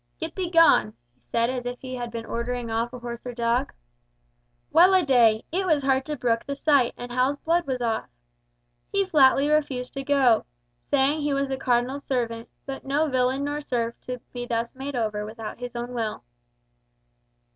'Get thee gone,' he said, as if he had been ordering off a horse or dog. Well a day! it was hard to brook the sight, and Hal's blood was up. He flatly refused to go, saying he was the Cardinal's servant, but no villain nor serf to be thus made over without his own will."